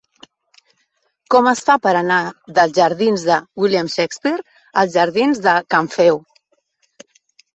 Com es fa per anar dels jardins de William Shakespeare als jardins de Can Feu?